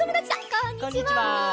こんにちは！